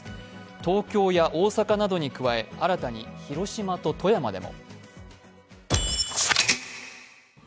東京や大阪などに加え、新たに広島や富山でも。